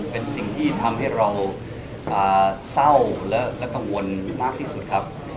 เป็นสิ่งที่ทำให้เราเศร้าและกังวลมากที่สุดครับ